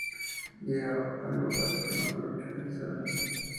Dio a luz a un prematuro que falleció al nacer.